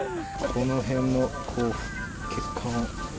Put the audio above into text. この辺の血管。